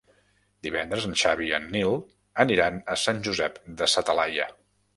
Divendres en Xavi i en Nil aniran a Sant Josep de sa Talaia.